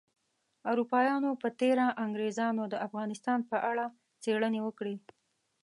اروپایانو په تیره انګریزانو د افغانستان په اړه څیړنې وکړې